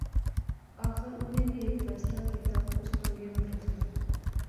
آخر انیں وی ہیک فیصلہ کیتیا اس ٹہنگے ناں فیصلہ